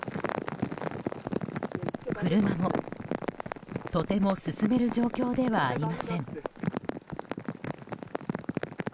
車も、とても進める状況ではありません。